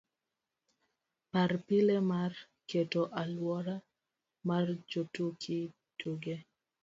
par pile mar keto aluora mar jotuki tuge